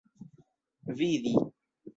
vidi